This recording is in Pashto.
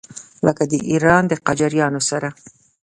کله د ایران له قاجاریانو سره.